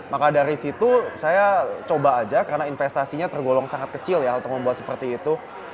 maka dari situ saya coba aja karena investasinya tergolong sangat kecil ya untuk membuat seperti itu